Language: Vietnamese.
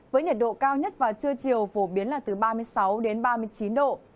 với nhiệt độ cao nhất vào trưa chiều phổ biến là từ ba mươi sáu đến ba mươi chín độ